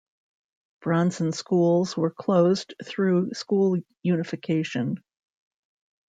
Bronson schools were closed through school unification.